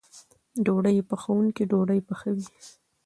ډوډۍ پخوونکی ډوډۍ پخوي.